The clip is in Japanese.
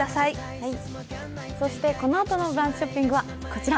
このあとのブランチショッピングはこちら。